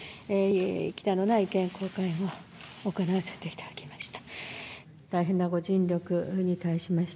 忌憚のない意見交換を行わせていただきました。